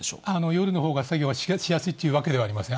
夜のほうが作業はしやすいというわけではありません。